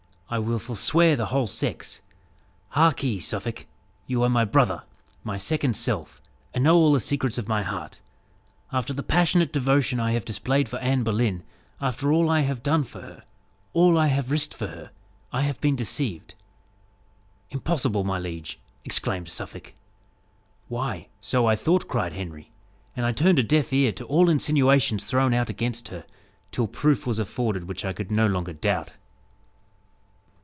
I will forswear the whole sex. Harkee, Suffolk, you are my brother, my second self, and know all the secrets of my heart. After the passionate devotion I have displayed for Anne Boleyn after all I have done for her all I have risked for her I have been deceived." "Impossible, my liege?" exclaimed Suffolk. "Why, so I thought," cried Henry, "and I turned a deaf ear to all insinuations thrown out against her, till proof was afforded which I could no longer doubt."